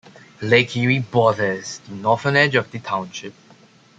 Lake Erie borders the northern edge of the township.